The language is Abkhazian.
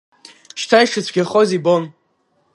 Шьҭа ишыцәгьахоз ибон.